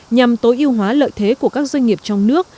nhằm tối ưu hóa lợi thế của các doanh nghiệp trong nước